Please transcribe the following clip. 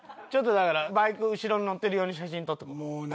ちょっとだからバイク後ろに乗ってる用に写真撮っとこう。